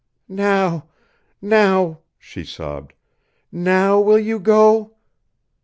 "Now now " she sobbed, "now will you go?"